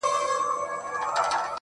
داسې مريد يمه چي پير چي په لاسونو کي دی